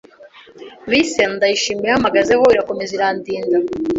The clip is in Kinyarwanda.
bise ndayishima yampagazeho irakomeza irandinda